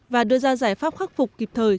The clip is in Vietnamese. và đưa ra giải pháp khắc phục kịp thời